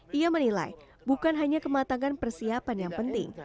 dia menilai bukan hanya kematangan persiapan yang penting